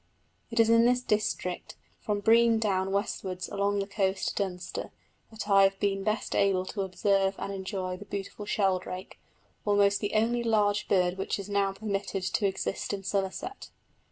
It is in this district, from Brean Down westwards along the coast to Dunster, that I have been best able to observe and enjoy the beautiful sheldrake almost the only large bird which is now permitted to exist in Somerset.